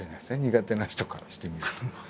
苦手な人からしてみると。